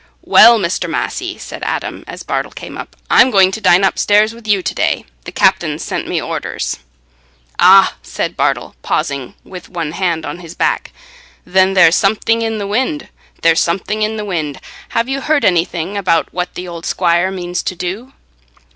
"Well, Mester Massey," said Adam, as Bartle came up "I'm going to dine upstairs with you to day: the captain's sent me orders." "Ah!" said Bartle, pausing, with one hand on his back. "Then there's something in the wind—there's something in the wind. Have you heard anything about what the old squire means to do?"